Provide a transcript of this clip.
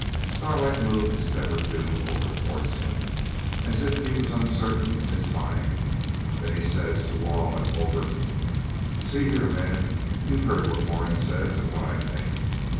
Starlight moved a step or two over towards him, as if he was uncertain in his mind. Then he says to Wall and Hulbert 'See here, men; you've heard what Moran says, and what I think.